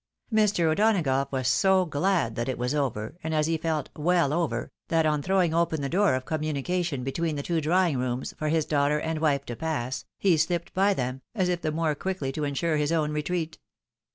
Mr. O'Donagough was so glad that it was over, and, as he felt, well over, that on throwing open the door of communication between the two drawing rooms, for his daughter and wife to pass, he shpped by them, as if the more quickly to insure his own retreat.